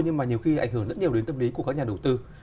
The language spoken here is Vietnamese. nhưng mà nhiều khi ảnh hưởng rất nhiều đến tâm lý của các nhà đầu tư